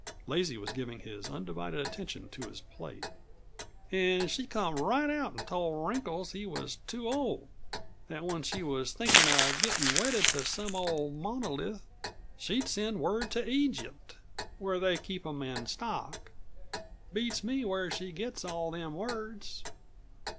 Lazy was giving his undivided attention to his plate. "An' she come right out an' told Wrinkles he was too old; that when she was thinkin' of gettin' wedded to some old monolith she'd send word to Egypt, where they keep 'em in stock. Beats me where she gets all them words."